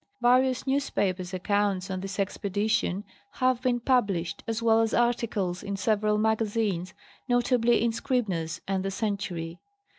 Various newspaper accounts of this expedition have been pub lished, as well as articles in several magazines, notably in Serib ner's, and the Century.